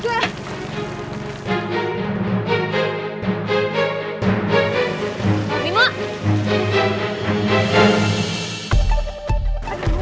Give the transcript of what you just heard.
jangan bawa sama forlaugh